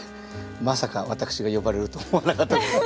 まさか私が呼ばれると思わなかったです。